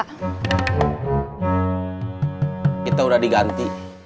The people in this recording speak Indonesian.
kita udah diganti